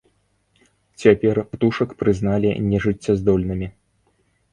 Цяпер птушак прызналі нежыццяздольнымі.